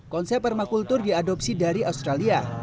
konsep permakultur diadopsi dari australia